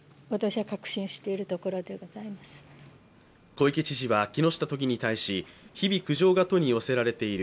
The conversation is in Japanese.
小池知事は木下都議に対し、日々苦情が都に寄せられている、